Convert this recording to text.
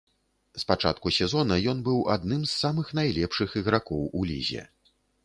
З пачатку сезона ён быў адным з самых найлепшых ігракоў у лізе.